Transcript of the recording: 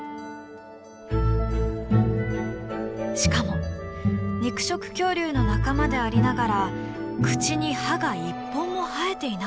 しかも肉食恐竜の仲間でありながら口に歯が一本も生えていなかった。